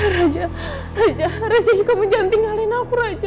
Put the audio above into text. raja raja raja kamu jangan tinggalin aku raja